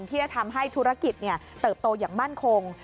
ที่จะทำให้ธุรกิจเติบโตอย่างมั่นคง